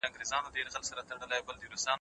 ملا په خپل کټ کې په ارامۍ سره کښېناست.